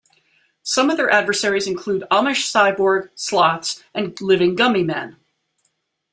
Some of their adversaries include Amish cyborg, sloths and living gummi men.